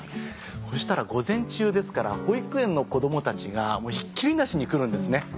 そしたら午前中ですから保育園の子供たちがひっきりなしに来るんですね。